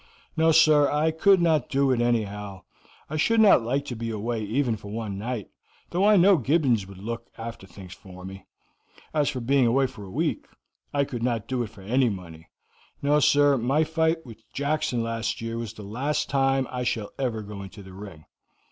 No, sir, I could not do it anyhow; I should not like to be away even for one night, though I know Gibbons would look after things for me; as for being away for a week, I could not do it for any money. No, sir, my fight with Jackson last year was the last time I shall ever go into the ring.